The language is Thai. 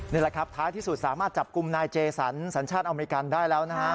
นี่แหละครับท้ายที่สุดสามารถจับกลุ่มนายเจสันสัญชาติอเมริกันได้แล้วนะฮะ